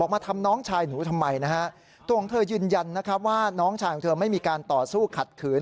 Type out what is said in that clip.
ว่าน้องชายของเธอไม่มีการต่อสู้ขัดขืน